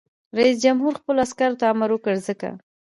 رئیس جمهور خپلو عسکرو ته امر وکړ؛ ځمکه!